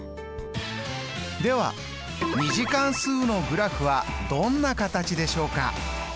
では２次関数のグラフはどんな形でしょうか？